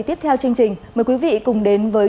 tiếp theo chương trình mời quý vị cùng đến với